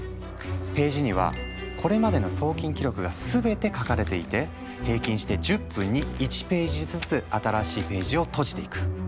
ページにはこれまでの送金記録が全て書かれていて平均して１０分に１ページずつ新しいページをとじていく。